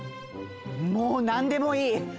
もうなんでもいい！